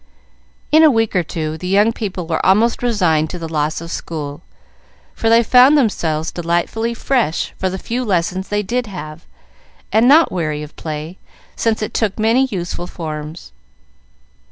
In a week or two, the young people were almost resigned to the loss of school, for they found themselves delightfully fresh for the few lessons they did have, and not weary of play, since it took many useful forms.